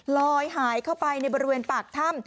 ลอยหายเข้าไปในบริเวณปากถ้ำ